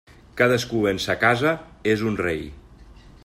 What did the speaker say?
Cadascú en sa casa és un rei.